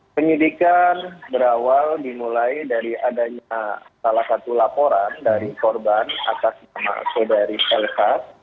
penyidikan berawal dimulai dari adanya salah satu laporan dari korban atas nama saudari lhk